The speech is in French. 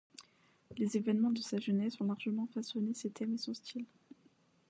Les événements de sa jeunesse ont largement façonné ses thèmes et son style.